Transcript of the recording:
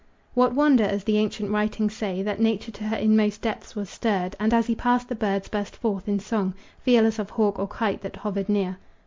What wonder, as the ancient writings say, That nature to her inmost depths was stirred, And as he passed the birds burst forth in song, Fearless of hawk or kite that hovered near?